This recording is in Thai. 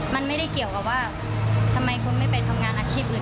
มันไม่ได้เกี่ยวกับว่าทำไมคุณไม่ไปทำงานอาชีพอื่น